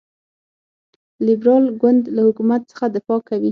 لیبرال ګوند له حکومت څخه دفاع کوي.